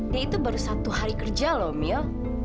dia itu baru satu hari kerja lho mil